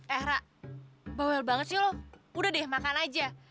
eh rak bawel banget sih loh udah deh makan aja